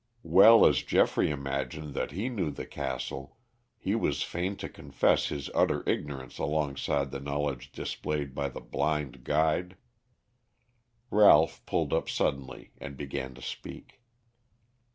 Well as Geoffrey imagined that he knew the castle, he was fain to confess his utter ignorance alongside the knowledge displayed by the blind guide. Ralph pulled up suddenly and began to speak.